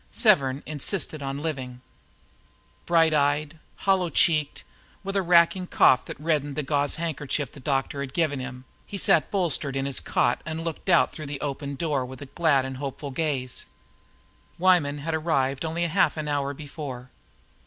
Severn insisted on living. Bright eyed, hollow cheeked, with a racking cough that reddened the gauze handkerchief the doctor had given him, he sat bolstered up in his cot and looked out through the open door with glad and hopeful gaze. Weyman had arrived only half an hour before.